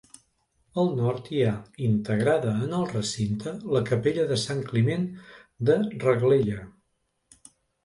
Al nord hi ha, integrada en el recinte, la capella de Sant Climent de Reglella.